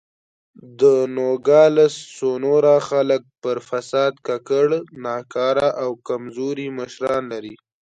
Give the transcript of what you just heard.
د نوګالس سونورا خلک پر فساد ککړ، ناکاره او کمزوري مشران لري.